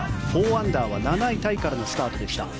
４アンダーは７位タイからのスタートでした。